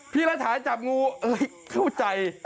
พี่รัชาจับงูเข้าใจ